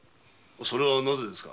それはなぜですか？